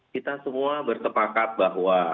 kita semua berkepakat bahwa